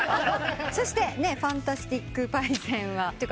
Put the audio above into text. そしてファンタスティック☆パイセンは。